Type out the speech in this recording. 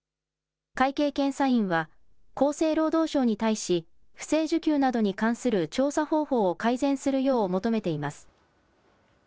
会計検査院は厚生労働省に対し、不正受給などに関する調査方法を改善するよう求めています。